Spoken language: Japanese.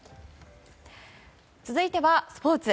続いてはスポーツ。